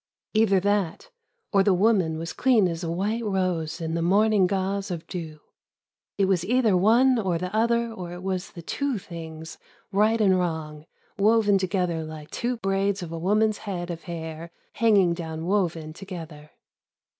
Either that ... or the woman was clean as a white rose in the morning gauze of dew. It was either one or the other or it was the two things, right and wrong, woven together Hke two braids of a woman's head of hair hanging down woven together.